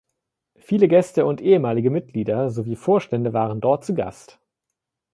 Viele Gäste und ehemalige Mitglieder sowie Vorstände waren dort zu Gast.